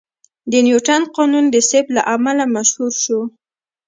د نیوتن قانون د سیب له امله مشهور شو.